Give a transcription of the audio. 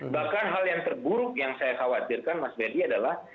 bahkan hal yang terburuk yang saya khawatirkan mas ferdi adalah